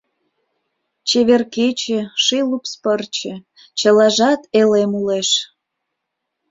Чевер кече, Ший лупс пырче — Чылажат элем улеш.